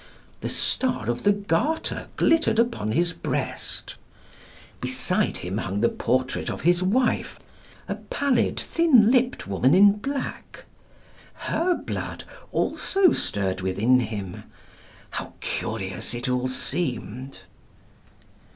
The Star of the Garter glittered upon his breast. Beside him hung the portrait of his wife, a pallid, thin lipped woman in black. Her blood also stirred within him. How curious it all seemed!"